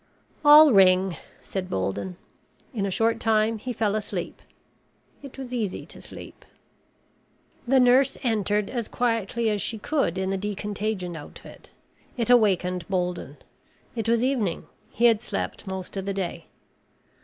"I'll ring," said Bolden. In a short time he fell asleep. It was easy to sleep. The nurse entered as quietly as she could in the decontagion outfit. It awakened Bolden. It was evening. He had slept most of the day.